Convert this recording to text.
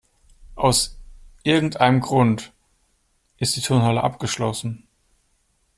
Aus irgendeinem Grund ist die Turnhalle abgeschlossen.